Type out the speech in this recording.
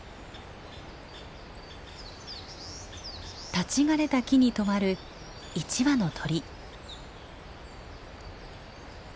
立ち枯れた木に止まる一羽の鳥。